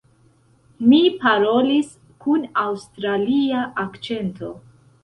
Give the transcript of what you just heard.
Mi parolis kun aŭstralia akĉento.